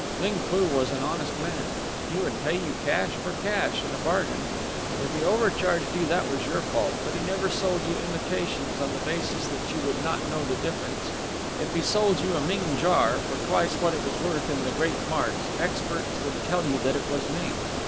Ling Foo was an honest man. He would pay you cash for cash in a bargain. If he overcharged you that was your fault, but he never sold you imitations on the basis that you would not know the difference. If he sold you a Ming jar for twice what it was worth in the great marts experts would tell you that it was Ming.